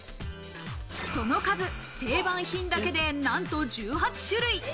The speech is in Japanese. その数、定番品だけでなんと１８種類。